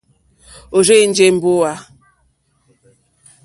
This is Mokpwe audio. Ó rzènjé mbówà.